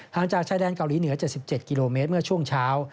จากชายแดนเกาหลีเหนือ๗๗กิโลเมตรเมื่อช่วงเช้า